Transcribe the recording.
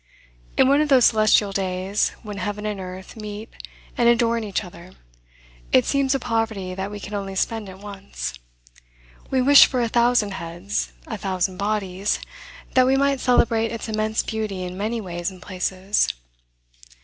In one of those celestial days, when heaven and earth meet and adorn each other, it seems a poverty that we can only spend it once; we wish for a thousand heads, a thousand bodies, that we might celebrate its immense beauty in many ways and places.